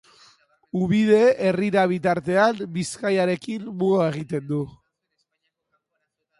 Ubide herrira bitartean Bizkaiarekin muga egiten du.